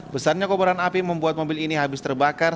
besarnya kobaran api membuat mobil ini habis terbakar